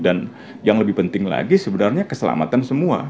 yang lebih penting lagi sebenarnya keselamatan semua